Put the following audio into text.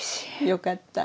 よかった。